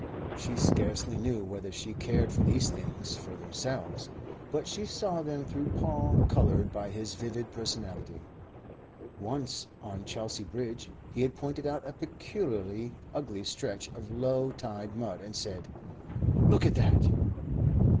She scarcely knew whether she cared for these things for themselves; but she saw them through Paul coloured by his vivid personality. Once on Chelsea Bridge he had pointed out a peculiarly ugly stretch of low tide mud, and said: "Look at that."